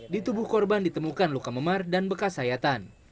di tubuh korban ditemukan luka memar dan bekas sayatan